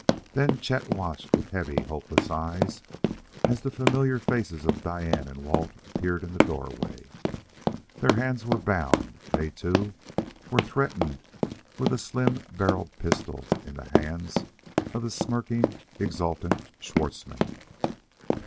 Then Chet watched with heavy, hopeless eyes as the familiar faces of Diane and Walt appeared in the doorway. Their hands were bound; they, too, were threatened with a slim barreled pistol in the hands of the smirking, exultant Schwartzmann.